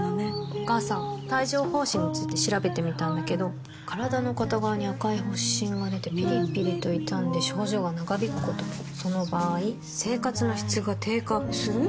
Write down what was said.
お母さん帯状疱疹について調べてみたんだけど身体の片側に赤い発疹がでてピリピリと痛んで症状が長引くこともその場合生活の質が低下する？